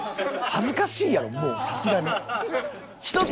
恥ずかしいやろもうさすがに。